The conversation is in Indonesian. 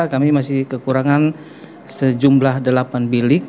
kami masih kekurangan sejumlah delapan bilik